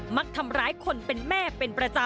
มักทำร้ายคนเป็นแม่เป็นบรรยาที่